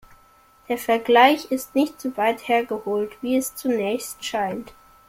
Der Vergleich ist nicht so weit hergeholt, wie es zunächst scheint.